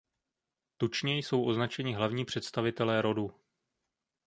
Tučně jsou označeni hlavní představitelé rodu.